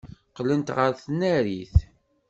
Qqlent ɣer tnarit.